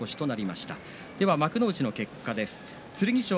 では幕内の結果です。